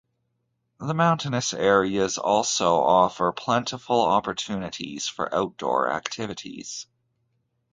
The mountainous areas also offer plentiful opportunities for outdoor activities.